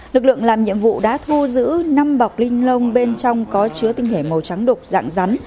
lực lượng làm nhiệm vụ đã thu giữ năm bọc linh lông bên trong có chứa tinh thể màu trắng đục dạng rắn